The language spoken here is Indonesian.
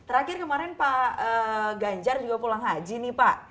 terakhir kemarin pak ganjar juga pulang haji nih pak